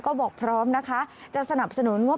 ก็บอกพร้อมจะสนับสนุนว่า